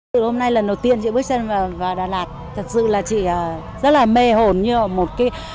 hôm nay là lần đầu tiên chị bước sang đà lạt thật sự là chị rất là mê hồn như một cái